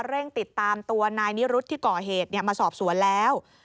เร่งติดตามตัวนายนิรุธที่ก่อเหตุมาสอบสวนแล้ว